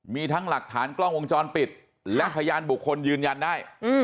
มีทั้งหลักฐานกล้องวงจรปิดและพยานบุคคลยืนยันได้